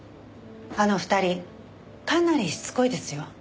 あの２人かなりしつこいですよ。